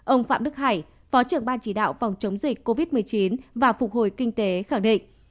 ông phạm đức hải phó trưởng ban chỉ đạo phòng chống dịch covid một mươi chín và phục hồi kinh tế khẳng định